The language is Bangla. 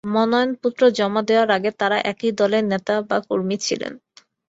মনোনয়নপত্র জমা দেওয়ার আগে তাঁরা একই দলের নেতা বা কর্মী ছিলেন।